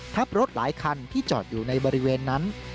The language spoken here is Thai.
ทับรถหลายคันที่จอดอยู่ในบริเวณนั้น